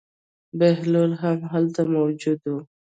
بهلول هم هلته موجود و.